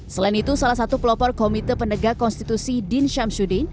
selain itu salah satu pelopor komite pendegak konstitusi din syamsuddin